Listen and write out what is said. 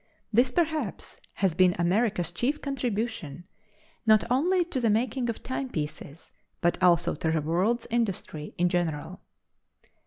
This, perhaps, has been America's chief contribution, not only to the making of timepieces, but, also to the world's industry in general.